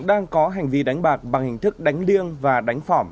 đang có hành vi đánh bạc bằng hình thức đánh liêng và đánh phỏm